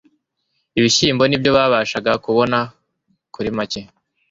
Ibishyimbo nibyo babashaga kubona kuri make